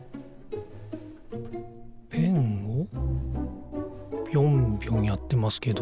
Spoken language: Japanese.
ペンをぴょんぴょんやってますけど。